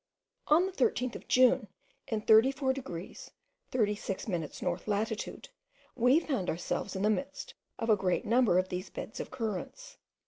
On the 13th of June, in 34 degrees 36 minutes north latitude, we found ourselves in the midst of a great number of these beds of currents.